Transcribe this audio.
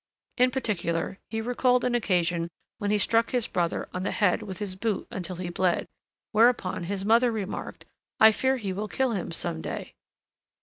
In particular, he recalled an occasion when he struck his brother on the head with his boot until he bled, whereupon his mother remarked: "I fear he will kill him some day."